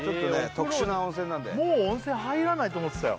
特殊な温泉なんでもう温泉入らないと思ってたよ